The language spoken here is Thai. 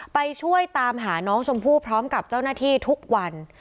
ไปช่วยตามหาน้องชมพู่พร้อมกับเจ้าหน้าที่ทุกวัน